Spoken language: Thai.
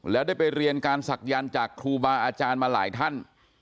แล้วได้ไปเรียนการศักยันต์จากครูบาอาจารย์มาหลายท่าน